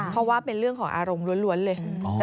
เพราะว่าเป็นเรื่องของอารมณ์ล้วนเลย